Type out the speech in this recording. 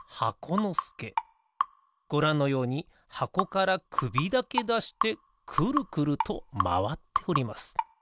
ごらんのようにはこからくびだけだしてくるくるとまわっております。